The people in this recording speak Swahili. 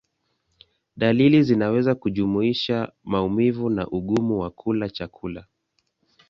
Dalili zinaweza kujumuisha maumivu na ugumu wa kula chakula.